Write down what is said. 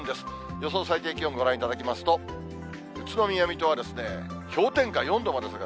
予想最低気温ご覧いただきますと、宇都宮、水戸は氷点下４度まで下がる。